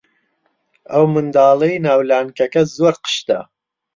ئەو منداڵەی ناو لانکەکە زۆر قشتە.